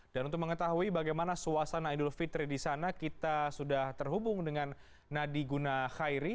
dan untuk mengetahui bagaimana suasana idul fitri di sana kita sudah terhubung dengan nadi gunah khairi